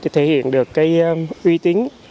thể hiện được cái uy tín